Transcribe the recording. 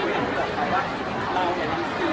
การรับความรักมันเป็นอย่างไร